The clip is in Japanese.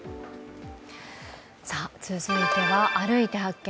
続いては、「歩いて発見！